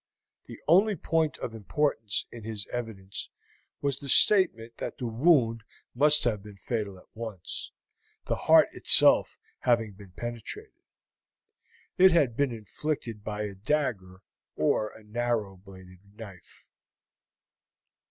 The only point of importance in his evidence was the statement that the wound must have been fatal at once, the heart itself having been penetrated. It had been inflicted by a dagger or a narrow bladed knife.